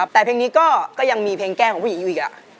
แต่เพลงนี้ก็ยังมีเพลงแกล้งของผู้หญิงอยู่อีก